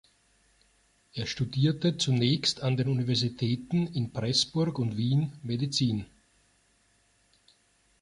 Er studierte zunächst an den Universitäten in Preßburg und Wien Medizin.